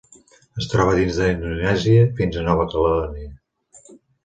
Es troba des d'Indonèsia fins a Nova Caledònia.